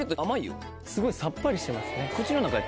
すごいさっぱりしてますね。